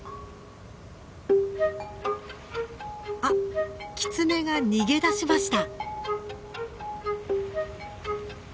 あっキツネが逃げ出しました。